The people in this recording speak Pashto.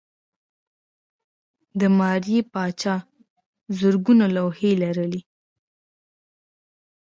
د ماري پاچا زرګونه لوحې لرلې.